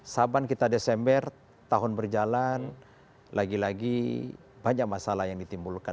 saban kita desember tahun berjalan lagi lagi banyak masalah yang ditimbulkan